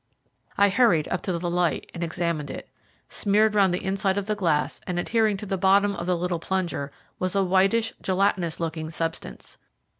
I hurried up to the light and examined it. Smeared round the inside of the glass, and adhering to the bottom of the little plunger, was a whitish, gelatinous looking substance.